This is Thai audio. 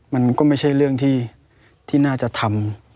มันก็ไม่ใช่เรื่องที่น่าจะทำ